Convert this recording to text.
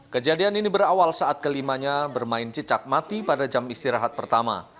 kejadian ini berawal saat kelimanya bermain cicak mati pada jam istirahat pertama